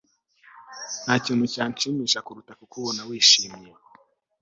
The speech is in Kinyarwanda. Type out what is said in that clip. Ntakintu cyanshimisha kuruta kukubona wishimye